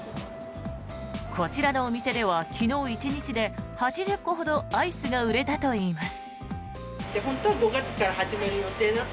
こちらのお店では昨日１日で８０個ほどアイスが売れたといいます。